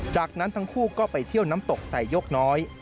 จากนั้นทั้งคู่ก็ไปเที่ยวน้ำตกใส่ยกน้อย